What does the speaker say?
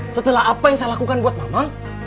setelah apa yang saya lakukan buat mama